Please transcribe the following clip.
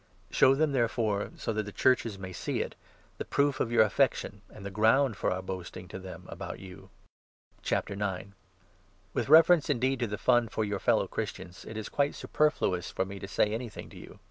Show them, therefore — so that the Churches 24 may see it — the proof of your affection, and the ground for our boasting to them about you. With reference, indeed, to the Fund for your fellow i Christians, it is quite superfluous for me to say anything to you.